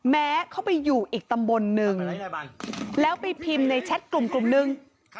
แม้เขาไปอยู่อีกตำบลนึงแล้วไปพิมพ์ในแชทกลุ่มนึง